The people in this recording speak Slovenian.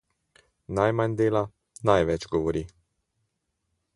Najmanj dela, največ govori.